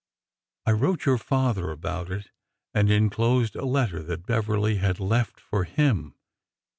I wrote your father about it and inclosed a letter that Beverly had left for him.